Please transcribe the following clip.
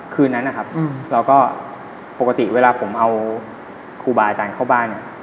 คืนนั้นนะครับเราก็ปกติเวลาผมเอาครูบาอาจารย์เข้าบ้านเนี่ย